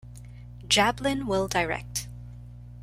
Jablin will direct.